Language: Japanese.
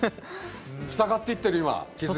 塞がっていってる今傷が。